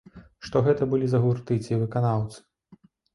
Што гэта былі за гурты ці выканаўцы?